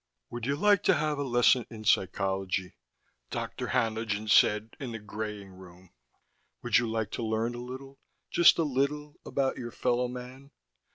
"Would you like to have a lesson in psychology?" Dr. Haenlingen said in the graying room. "Would you like to learn a little, just a little, about your fellow man?"